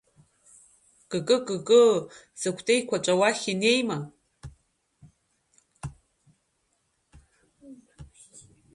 Кыкы-кыкыы, сыкәты еиқәаҵәа уахь инеима?